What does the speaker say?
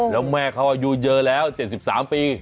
แล้วแม่เขาอายุเยอะแล้ว๗๓ปี